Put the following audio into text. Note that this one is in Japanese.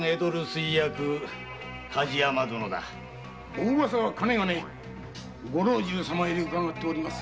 おウワサはご老中様より伺っております。